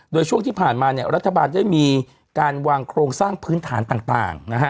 โดยช่วงที่ผ่านมาเนี่ยรัฐบาลได้มีการวางโครงสร้างพื้นฐานต่างนะฮะ